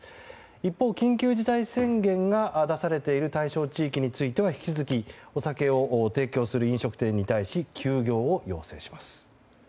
一方、緊急事態宣言が出されている対象地域については引き続きお酒を提供する飲食店に対し休業を要請します。